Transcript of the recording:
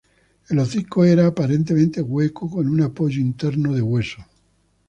El hocico era aparentemente hueco, con un apoyo interno de hueso.